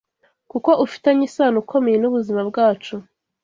kuko ufitanye isano ikomeye n’ubuzima bwacu.